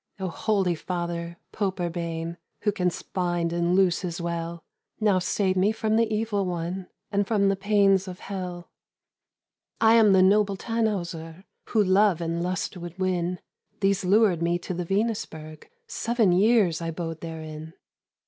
"Oh, holy Father, Pope Urbain, Who canst bind and loose as well, Now save me from the evil one, And from the pains of hell. "I am the noble Tannhäuser, Who love and lust would win, These lured me to the Venusberg, Seven years I bode therein.